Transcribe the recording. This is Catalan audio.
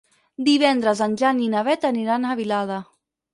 Divendres en Jan i na Beth aniran a Vilada.